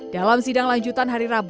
dalam sidang lanjutan hari rabu